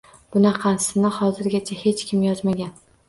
Bunaqasini hozirgacha hech kim yozmagan